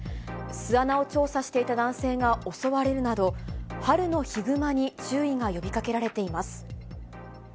巣穴を調査していた男性が襲われるなど、春のヒグマに注意が呼びかけられています。